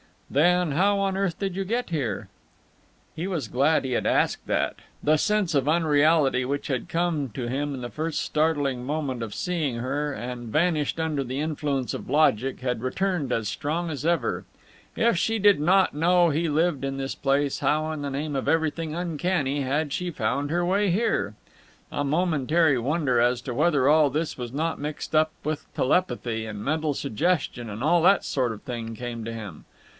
"Then how on earth did you get here?" He was glad he had asked that. The sense of unreality which had come to him in the first startling moment of seeing her and vanished under the influence of logic had returned as strong as ever. If she did not know he lived in this place, how in the name of everything uncanny had she found her way here? A momentary wonder as to whether all this was not mixed up with telepathy and mental suggestion and all that sort of thing came to him.